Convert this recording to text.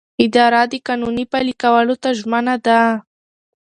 اداره د قانون پلي کولو ته ژمنه ده.